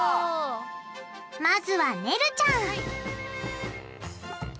まずはねるちゃん！